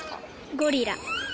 ゴリラ。